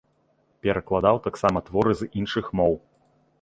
Перакладаў таксама творы з іншых моў.